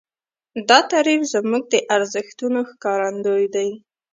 دا تعریف زموږ د ارزښتونو ښکارندوی دی.